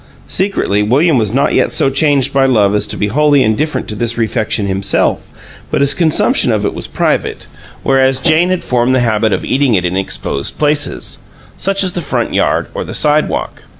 Secretly, William was not yet so changed by love as to be wholly indifferent to this refection himself, but his consumption of it was private, whereas Jane had formed the habit of eating it in exposed places such as the front yard or the sidewalk.